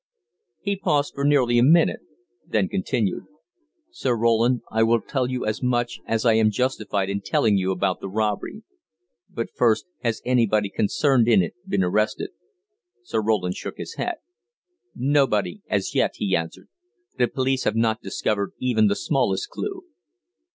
He paused for nearly a minute, then continued: "Sir Roland, I will tell you as much as I am justified in telling about the robbery; but first, has anybody concerned in it been arrested?" Sir Roland shook his head. "Nobody as yet," he answered. "The police have not discovered even the smallest clue."